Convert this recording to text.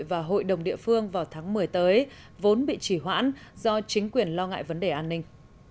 và hội đồng địa phương vào tháng một mươi tới vốn bị chỉ hoãn do chính quyền lo ngại vấn đề an ninh